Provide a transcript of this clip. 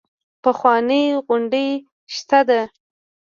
پخوانۍ غونډۍ شته ده.